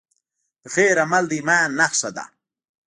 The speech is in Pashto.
د خیر عمل د ایمان نښه ده.